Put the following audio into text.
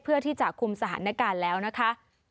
เพื่อที่จะคุมสถานการณ์แล้วนะคะ